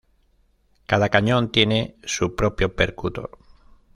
Cada cañón tiene su propio percutor.